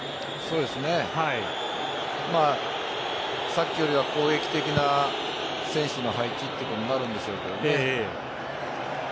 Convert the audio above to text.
さっきよりは攻撃的な選手の配置ということになるんでしょうけど。